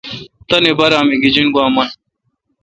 تانی بارہ می گیجن گوا من۔